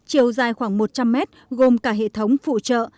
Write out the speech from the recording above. chiều dài khoảng một trăm linh mét gồm cả hệ thống phụ trợ